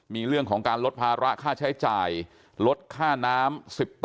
มีเรื่องของการลดภาระค่าใช้จ่ายลดค่าน้ำ๑๐